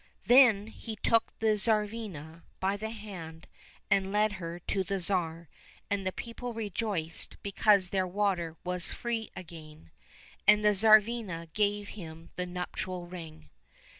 Then he took the Tsarivna by the hand, and led her to the Tsar, and the people rejoiced because their water was free again. And the Tsarivna gave him the nuptial ring.